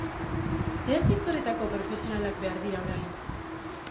Ze sektoretako profesionalak behar dira orain?